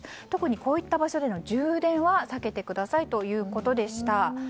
特に、こういった場所での充電は避けてくださいということでした。